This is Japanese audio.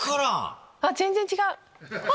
全然違う！